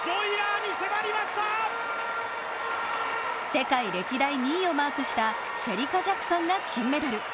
世界歴代２位をマークしたシェリカ・ジャクソンが金メダル。